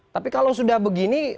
tapi kalau sudah begini